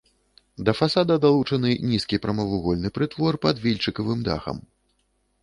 Да фасада далучаны нізкі прамавугольны прытвор пад вільчыкавым дахам.